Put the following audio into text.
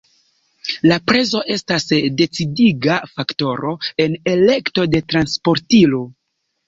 La prezo estas decidiga faktoro en elekto de transportilo.